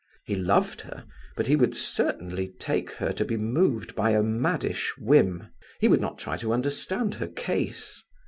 He loved her, but he would certainly take her to be moved by a maddish whim; he would not try to understand her case.